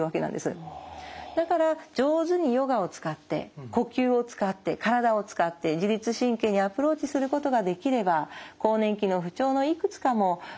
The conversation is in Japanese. だから上手にヨガを使って呼吸を使って体を使って自律神経にアプローチすることができれば更年期の不調のいくつかも緩和できるんじゃないか。